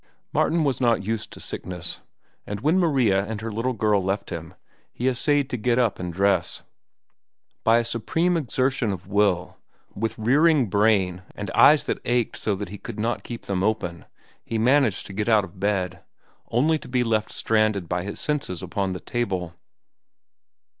Martin was not used to sickness, and when Maria and her little girl left him, he essayed to get up and dress. By a supreme exertion of will, with rearing brain and eyes that ached so that he could not keep them open, he managed to get out of bed, only to be left stranded by his senses upon the table.